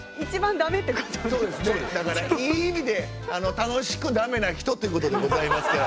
だからいい意味で楽しくだめな人ってことでございますから。